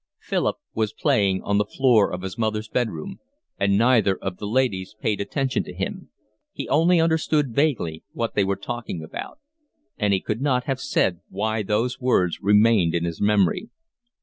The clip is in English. Philip was playing on the floor of his mother's bed room, and neither of the ladies paid attention to him. He only understood vaguely what they were talking about, and he could not have said why those words remained in his memory.